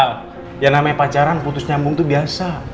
al ya namanya pacaran putus nyambung tuh biasa